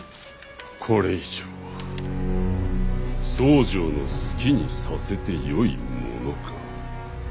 これ以上僧正の好きにさせてよいものか。